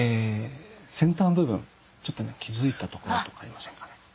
先端部分ちょっとね気付いたところとかありませんかね？